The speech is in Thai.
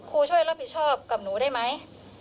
ครูช่วยเลิกผิดชอบกับหนูได้ไหม